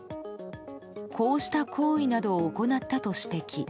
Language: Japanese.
こうした行為などを行ったと指摘。